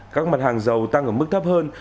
các mặt hàng dầu tăng ở mức thấp hơn